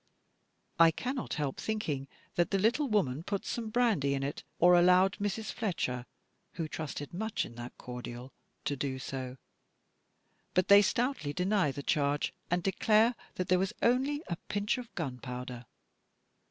I cannot help thinking that the little woman put some brandy in it, or allowed Mrs. Fletcher, who trusted much in that cordial, to do so; but they stoutly deny the charge, and declare that there was only a pinch of gunpowder.